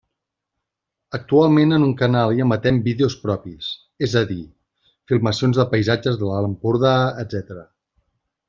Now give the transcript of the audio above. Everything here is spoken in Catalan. Actualment, en un canal hi emetem vídeos propis, és a dir, filmacions de paisatges de l'Alt Empordà, etcètera.